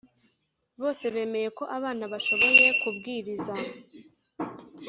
bose bemeye ko abana bashoboye kubwiriza